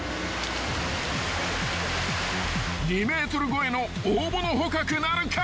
［２ｍ超えの大物捕獲なるか］